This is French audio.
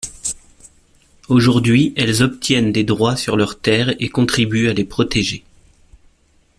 Aujourd'hui elles obtiennent des droits sur leurs terres et contribuent à les protéger.